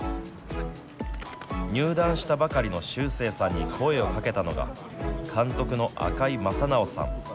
入団したばかりの秀星さんに声をかけたのが監督の赤井正尚さん。